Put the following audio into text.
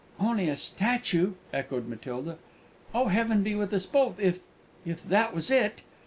"Only a statue!" echoed Matilda. "Oh! Heaven be with us both, if if that was It!"